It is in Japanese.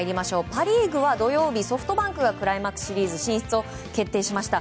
パ・リーグは土曜日ソフトバンクがクライマックスシリーズ進出を決定しました。